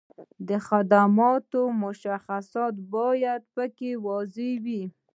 د خدماتو مشخصات باید په کې واضح وي.